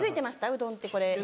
うどんってこれ。